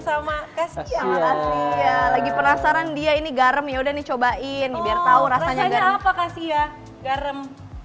sama kasih lagi penasaran dia ini garam yaudah dicobain biar tahu rasanya apa kasih ya garam